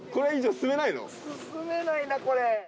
進めないなこれ。